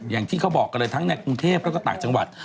อย่างที่เขาบอกกันเลยทั้งในกรุงเทพแล้วก็ต่างจังหวัด